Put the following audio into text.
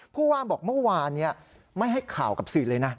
ผู้ว่าบอกเมื่อวานไม่ให้ข่าวกับสื่อเลยนะ